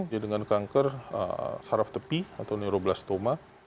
ya dengan kanker saraf tepi atau neuroblastoma